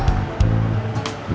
gak mau lagi berbual pas oke sisya